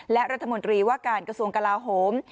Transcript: และรัฐมนตรีว่าการกระทรวงกลาโหม